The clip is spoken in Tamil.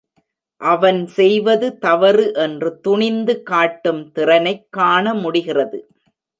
அவன் செய்வது தவறு என்று துணிந்து காட்டும் திறனைக் காண முடிகிறது.